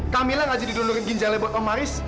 kamila tidak jadi dondurin ginjal lebar untuk om haris